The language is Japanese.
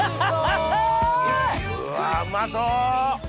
うわうまそう！